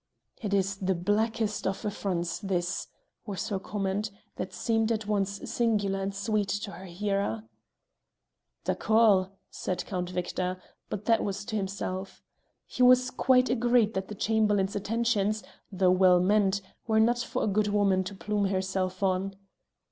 "It is the blackest of affronts this," was her comment, that seemed at once singular and sweet to her hearer. "D'accord," said Count Victor, but that was to himself. He was quite agreed that the Chamberlain's attentions, though well meant, were not for a good woman to plume herself on.